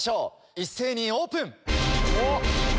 一斉にオープン！